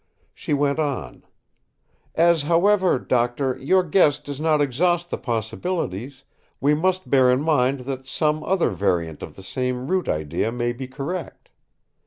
She went on: "As however, Doctor, your guess does not exhaust the possibilities, we must bear in mind that some other variant of the same root idea may be correct.